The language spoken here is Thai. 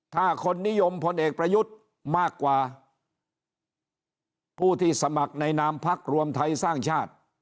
ถ้าคนนิยมพลเอกประยุทธ์มากกว่าผู้ที่สมัครในนามพักรวมไทยสร้างชาติ